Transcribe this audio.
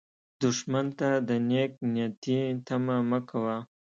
دښمن ته د نېک نیتي تمه مه کوه